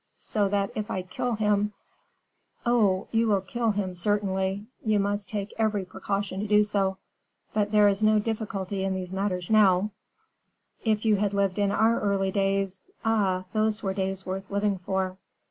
"So that if I kill him " "Oh! you will kill him, certainly; you must take every precaution to do so. But there is no difficulty in these matters now; if you had lived in our early days, ah, those were days worth living for!"